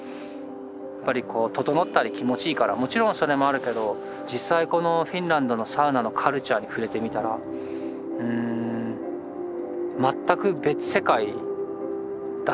やっぱりこうととのったり気持ちいいからもちろんそれもあるけど実際このフィンランドのサウナのカルチャーに触れてみたらうん全く別世界だった。